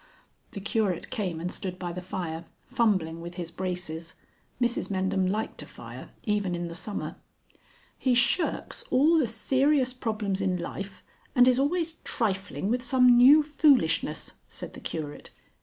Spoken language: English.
The Curate came and stood by the fire, fumbling with his braces. Mrs Mendham liked a fire even in the summer. "He shirks all the serious problems in life and is always trifling with some new foolishness," said the Curate.